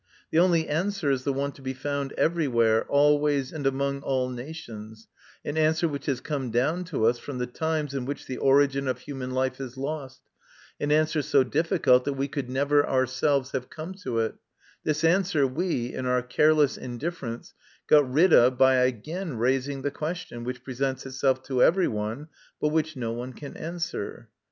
The only answer is the one to be found everywhere, always, and among all nations, an answer which has come down to us from the times in which the origin of human life is lost, an answer so difficult that we could never ourselves have come to it this answer we, in our careless indifference, get rid of by again raising the question which presents itself to every one, but which no one can answer.